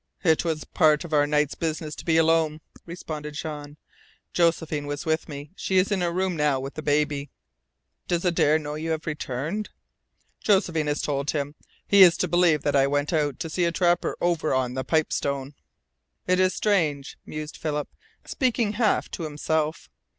"It was a part of our night's business to be alone," responded Jean. "Josephine was with me. She is in her room now with the baby." "Does Adare know you have returned?" "Josephine has told him. He is to believe that I went out to see a trapper over on the Pipestone." "It is strange," mused Philip, speaking half to himself.